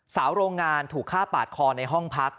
โรงงานถูกฆ่าปาดคอในห้องพัก